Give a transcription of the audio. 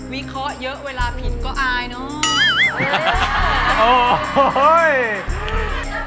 วิเคราะห์เยอะเวลาผิดก็อายเนอะ